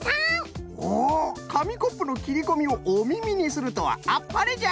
おおかみコップのきりこみをおみみにするとはあっぱれじゃ！